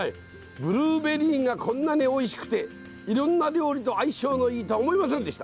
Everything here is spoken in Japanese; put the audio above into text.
ブルーベリーがこんなにおいしくていろんな料理と相性のいいとは思いませんでした。